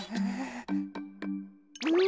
うん。